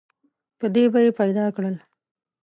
په دې به یې پیدا کړل.